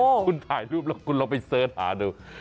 คุณถ่ายรูปแล้วคุณลองไปเสิร์ชหาดู